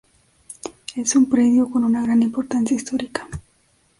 Es un predio con una gran importancia histórica.